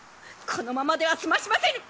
このままでは済ましませぬ！